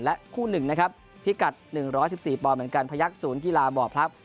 และคู่๑นะครับพิกัด๑๑๔ปอนด์เหมือนกันพระยักษ์ศูนย์กีฬาบ่อพระ